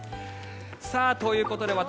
ということで私